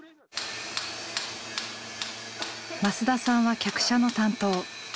増田さんは客車の担当。